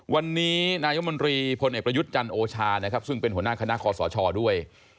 วันนี้นายมนตรีพลเอกประยุทธ์จันทร์โอชานะครับซึ่งเป็นหัวหน้าคณะคอสชด้วย